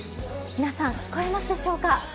皆さん、聞こえますでしょうか。